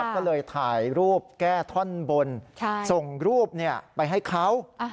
ก็เลยถ่ายรูปแก้ท่อนบนส่งรูปไปให้เขา